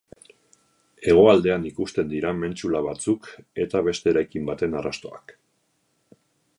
Hegoaldean ikusten dira mentsula batzuk eta beste eraikin baten arrastoak.